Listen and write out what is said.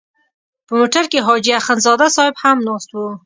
په موټر کې حاجي اخندزاده صاحب هم ناست و.